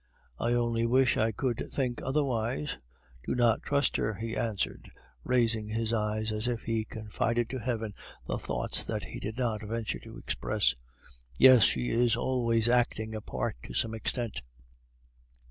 "I only wish I could think otherwise. Do not trust her," he answered, raising his eyes as if he confided to heaven the thoughts that he did not venture to express. "Yes. She is always acting a part to some extent."